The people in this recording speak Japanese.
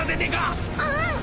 うん！